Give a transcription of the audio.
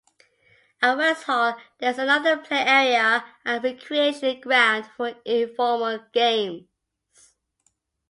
At Westhall there is another play area and a recreation ground for informal games.